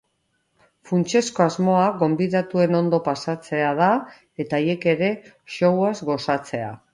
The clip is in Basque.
Funtsezko asmoa gonbidatuarekin ondo pasatzea da eta haiek ere showaz gozatzea.